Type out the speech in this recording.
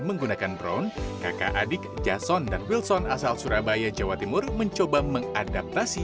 menggunakan drone kakak adik jason dan wilson asal surabaya jawa timur mencoba mengadaptasi